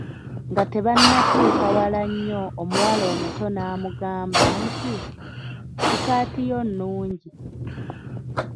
Nga tebannatuuka wala nnyo omuwala omuto n'amugamba nti, Sikati yo nnungi .